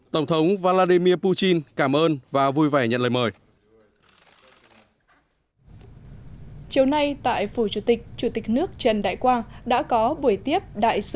tổng thống vladimir putin cảm ơn và vui vẻ nhận lời mời